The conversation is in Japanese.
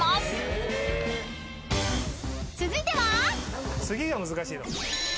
［続いては？］